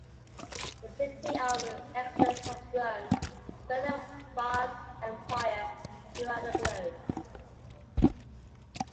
The city of Excelis has grown, spreading a vast Empire throughout the globe.